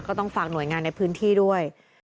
ต้องฝากหน่วยงานในพื้นที่ด้วย